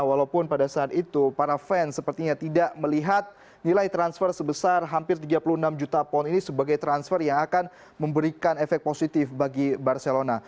walaupun pada saat itu para fans sepertinya tidak melihat nilai transfer sebesar hampir tiga puluh enam juta pound ini sebagai transfer yang akan memberikan efek positif bagi barcelona